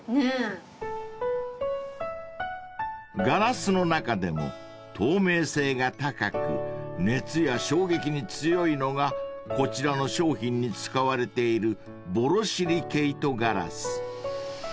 ［ガラスの中でも透明性が高く熱や衝撃に強いのがこちらの商品に使われているボロシリケイトガラス］